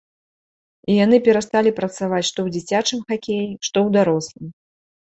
І яны перасталі працаваць што ў дзіцячым хакеі, што ў дарослым.